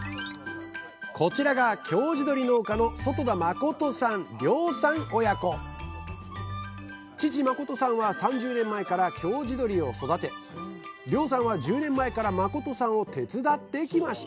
こちらが京地どり農家の父誠さんは３０年前から京地どりを育て遼さんは１０年前から誠さんを手伝ってきました